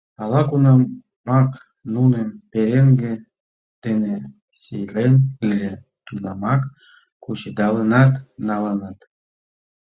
Ала-кунамак нуным пареҥге дене сийлен ыле, тунамак кучедалынат налыныт.